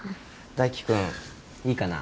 大輝君いいかな。